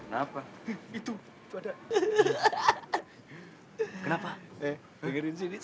gak ada lagi tidur